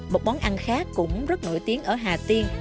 một món ăn khác cũng rất nổi tiếng ở hà tiên